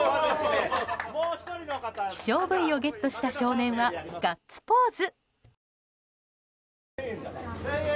希少部位をゲットした少年はガッツポーズ！